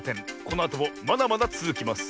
このあともまだまだつづきます。